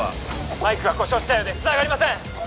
マイクが故障したようでつながりません！